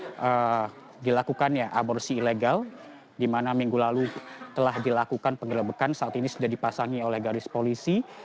pada saat ini sudah dilakukan ya aborsi ilegal di mana minggu lalu telah dilakukan penggerebekan saat ini sudah dipasangi oleh garis polisi